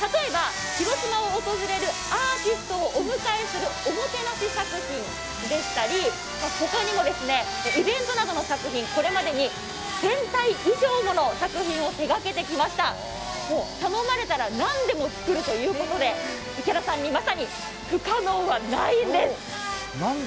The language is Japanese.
広島を訪れるアーティストをお迎えするおもてなし作品でしたり、他にもイベントなどの作品、これまでに１０００体以上の作品を手がけてきました、頼まれたらなんでも作るということで池田さんに、まさに不可能はないんです。